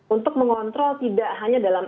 untuk mengontrol tidak hanya dalam